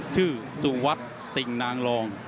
ชื่อสุงวัดติ่งนางรอง